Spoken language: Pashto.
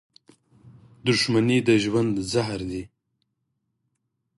• دښمني د ژوند زهر دي.